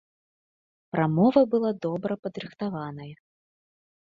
Прамова была добра падрыхтаваная.